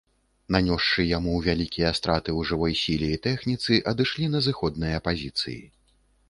Нанёсшы яму вялікія страты ў жывой сіле і тэхніцы, адышлі на зыходныя пазіцыі.